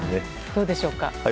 どうでしょうか。